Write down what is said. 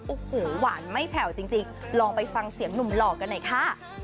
โอ้โหหวานไม่แผ่วจริงลองไปฟังเสียงหนุ่มหล่อกันหน่อยค่ะ